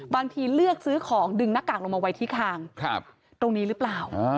บางทีเลือกซื้อของดึงหน้ากากลงมาไว้ที่คางตรงนี้หรือเปล่า